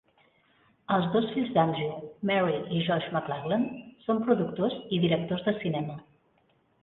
Els dos fills d'Andrew, Mary i Josh McLaglen, són productors i directors de cinema.